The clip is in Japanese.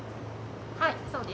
はいそうです。